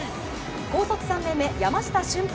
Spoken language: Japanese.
高卒３年目、山下舜平